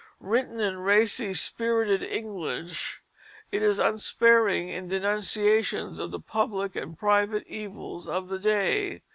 Written in racy, spirited English, it is unsparing in denunciations of the public and private evils of the day.